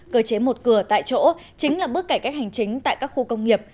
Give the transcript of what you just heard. cơ chế một cửa tại chỗ chính là bước cải cách hành chính tại các khu công nghiệp